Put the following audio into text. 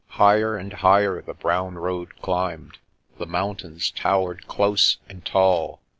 Higher and higher the brown road cUmbed. The mountains towered close and tall.